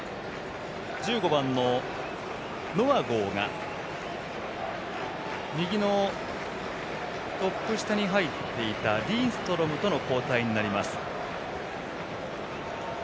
１５番のノアゴーが右のトップ下に入っていたリンストロムとの交代になります。